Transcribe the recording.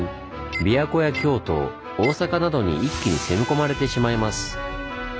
琵琶湖や京都大坂などに一気に攻め込まれてしまいます。